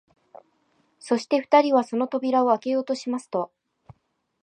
そして二人はその扉をあけようとしますと、